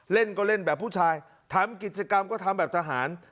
เล่นก็เล่นแบบผู้ชายทำกิจกรรมก็ทำแบบทหาร